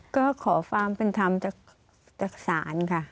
ก็ขอความเป็นธรรมจากศาลค่ะ